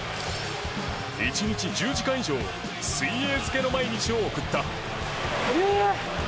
１日１０時間以上水泳漬けの毎日を送った。